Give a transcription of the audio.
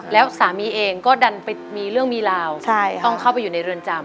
แล้วสามีเองก็ดันไปมีเรื่องมีราวต้องเข้าไปอยู่ในเรือนจำ